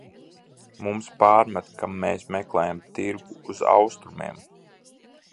Mums pārmet, ka mēs meklējam tirgu uz Austrumiem.